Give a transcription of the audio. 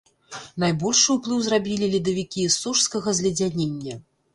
Найбольшы ўплыў зрабілі ледавікі сожскага зледзянення.